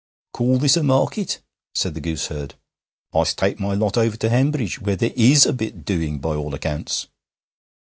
'Call this a market?' said the gooseherd. 'I'st tak' my lot over to Hanbridge, wheer there is a bit doing, by all accounts.'